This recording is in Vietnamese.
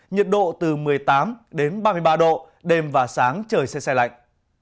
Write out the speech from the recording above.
nhiệt độ từ một mươi tám đến ba mươi ba độ đêm và sáng trời xe xe lạnh